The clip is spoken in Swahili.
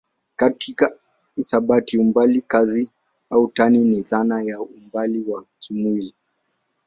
Katika hisabati umbali kazi au tani ni dhana ya umbali wa kimwili.